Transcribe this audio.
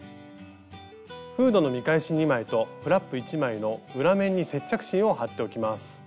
フードの見返し２枚とフラップ１枚の裏面に接着芯を貼っておきます。